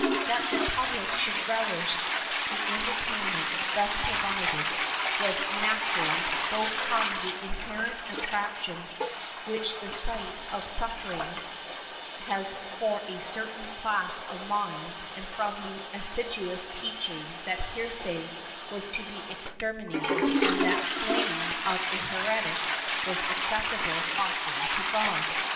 That the public should relish the entertainment thus provided was natural, both from the inherent attraction which the sight of suffering has for a certain class of minds, and from the assiduous teaching that heresy was to be exterminated and that the slaying of a heretic was an accept able offering to God.